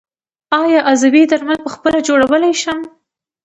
آیا عضوي درمل پخپله جوړولی شم؟